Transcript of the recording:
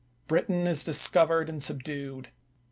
Britain is discovered and subdued.